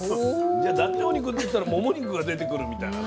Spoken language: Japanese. じゃあダチョウ肉っていったらモモ肉が出てくるみたいな感じ？